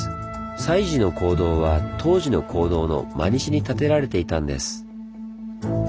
西寺の講堂は東寺の講堂の真西に建てられていたんです。